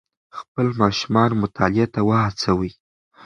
خپل ماشومان مطالعې ته وهڅوئ.